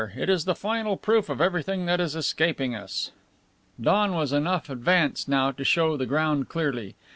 It is the final proof of everything that is escaping us!" Dawn was enough advanced now to show the ground clearly.